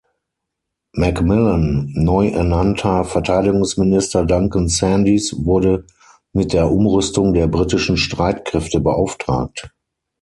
Macmillan neu ernannter Verteidigungsminister Duncan Sandys wurde mit der Umrüstung der britischen Streitkräfte beauftragt.